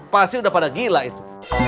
pasti udah pada gila itu